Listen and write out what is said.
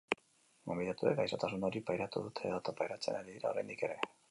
Gonbidatuek gaixotasun hori pairatu dute edota pairatzen ari dira oraindik ere.